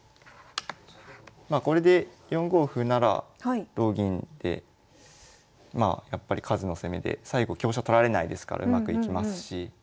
まあこれで４五歩なら同銀でまあやっぱり数の攻めで最後香車取られないですからうまくいきますし。